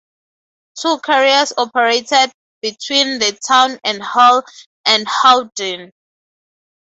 Two carriers operated between the town and Hull, and Howden.